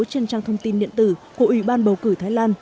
trên trang thông tin điện tử của ủy ban bầu cử thái lan